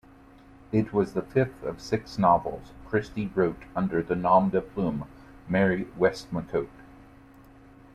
It was the fifth of six novels Christie wrote under the nom-de-plume Mary Westmacott.